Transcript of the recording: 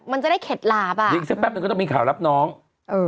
มันจะได้เข็ดหลาบอ่ะยิงสักแป๊บหนึ่งก็ต้องมีข่าวรับน้องเออ